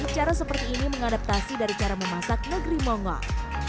cara seperti ini mengadaptasi dari cara memasak negeri monggol